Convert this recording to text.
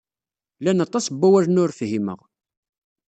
Llan aṭas n wawalen ur fhimeɣ.